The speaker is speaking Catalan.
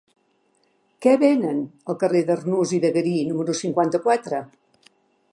Què venen al carrer d'Arnús i de Garí número cinquanta-quatre?